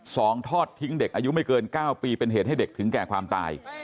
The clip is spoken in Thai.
ทอดทิ้งเด็กอายุไม่เกินเก้าปีเป็นเหตุให้เด็กถึงแก่ความตาย